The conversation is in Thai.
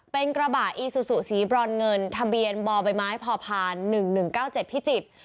เป็นกระบะอีสุสุสีบรรเงินทะเบียนบบพหนึ่งหนึ่งเก้าเจ็ดพิจิตร